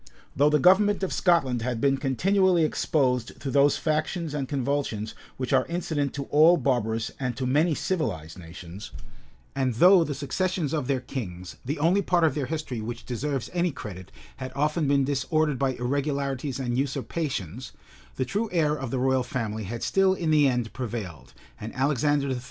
Though the government of Scotland had been continually exposed to those factions and convulsions which are incident to all barbarous and to many civilized nations; and though the successions of their kings, the only part of their history which deserves any credit had often been disordered by irregularities and usurpations; the true heir of the royal family had still in the end prevailed, and Alexander III.